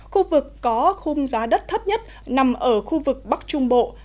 khu vực có khung giá đất thấp nhất nằm ở khu vực bắc trung bộ